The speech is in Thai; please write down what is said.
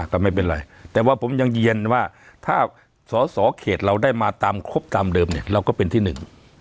ก็ไม่เป็นไรแต่ว่าผมยังเย็นว่าถ้าสอสอเขตเราได้มาตามครบตามเดิมเนี่ยเราก็เป็นที่หนึ่ง